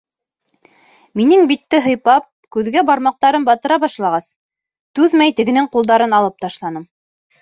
Минең битте һыйпап, күҙгә бармаҡтарын батыра башлағас, түҙмәй тегенең ҡулдарын алып ташланым.